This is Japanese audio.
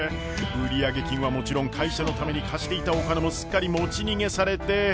売上金はもちろん会社のために貸していたお金もすっかり持ち逃げされて。